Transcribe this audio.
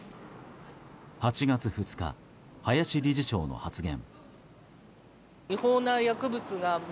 ８月２日、林理事長の発言。